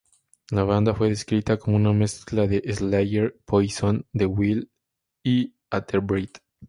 La banda fue descrita como una mezcla de Slayer, Poison The Well y Hatebreed.